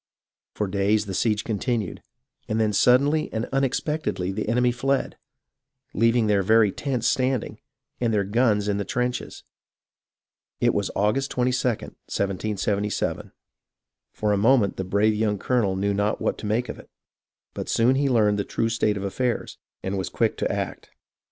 For days the siege continued, and then suddenly and unexpectedly the enemy fled, leaving their very tents standing, and their guns in the trenches. It was August 22d, 1777. For a moment the brave young colonel knew not what to make of it ; but soon he learned the true state of affairs, and was quick to act.